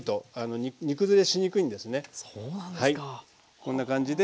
こんな感じで。